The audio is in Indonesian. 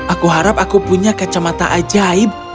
aku harap aku punya kacamata ajaib